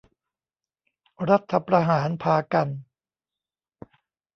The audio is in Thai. รัฐประหารพากัน